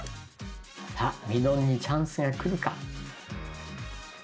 さあみのんにチャンスが来るか。